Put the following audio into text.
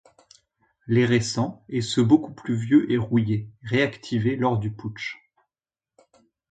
Les récents et ceux beaucoup plus vieux et rouillés réactivés lors du Putsch.